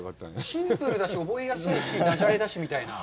シンプルだし、覚えやすいし駄じゃれだしみたいな。